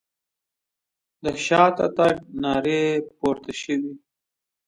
د شاته تګ نارې پورته شوې.